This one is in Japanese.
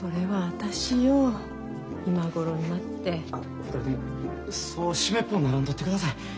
お二人ともそう湿っぽくならんとってください。